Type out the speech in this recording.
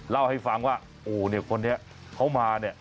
เล่าให้ฟังว่าโอ๊ยคนนี้เขามา